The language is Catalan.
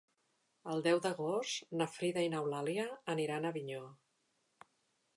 El deu d'agost na Frida i n'Eulàlia aniran a Avinyó.